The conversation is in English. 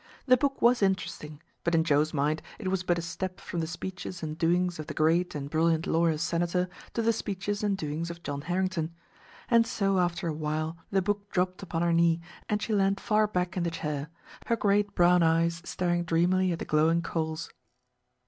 The book was interesting, but in Joe's mind it was but a step from the speeches and doings of the great and brilliant lawyer senator to the speeches and doings of John Harrington. And so after a while the book dropped upon her knee and she leaned far back in the chair, her great brown eyes staring dreamily at the glowing coals.